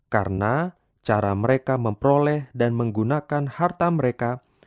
karena cara mereka memperoleh dan menggunakan harta mereka